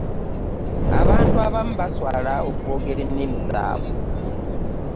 abantu abamu baswala okwogera ennimi zaabwe.